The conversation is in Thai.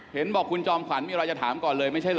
เห็นบอกคุณจอมขวัญมีอะไรจะถามก่อนเลยไม่ใช่เหรอ